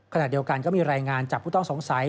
ขณะเดียวกันก็มีรายงานจากผู้ต้องสงสัย